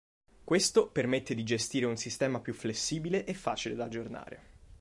Questo permette di gestire un sistema più flessibile e facile da aggiornare.